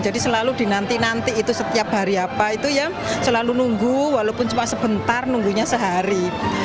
jadi selalu dinanti nanti itu setiap hari apa itu ya selalu nunggu walaupun cuma sebentar nunggunya sehari